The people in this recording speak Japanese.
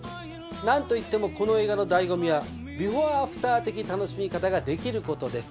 何といってもこの映画の醍醐味はビフォーアフター的楽しみ方ができることです。